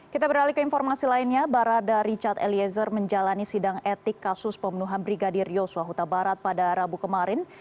kita beralih ke informasi lainnya barada richard eliezer menjalani sidang etik kasus pembunuhan brigadir yosua huta barat pada rabu kemarin